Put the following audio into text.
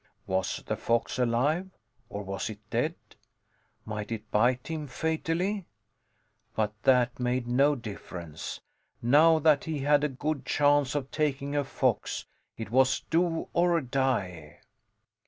Was the fox alive, or was it dead? Might it bite him fatally? But that made no difference. Now that he had a good chance of taking a fox, it was do or die.